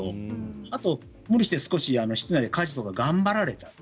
あと無理して少し室内で家事とか頑張られた。